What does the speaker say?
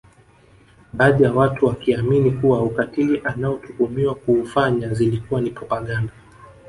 Baadhi ya watu wakiamini kuwa ukatili anaotuhumiwa kuufanya zilikuwa ni propaganda